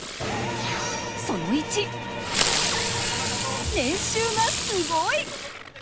その１、年収がすごい。